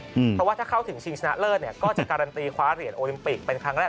เพราะว่าถ้าเข้าถึงชิงชนะเลิศเนี่ยก็จะการันตีคว้าเหรียญโอลิมปิกเป็นครั้งแรก